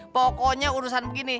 pokoknya urusan begini